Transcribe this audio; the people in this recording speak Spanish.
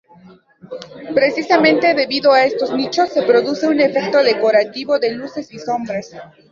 Precisamente, debido a estos nichos se produce un efecto decorativo de luces y sombras.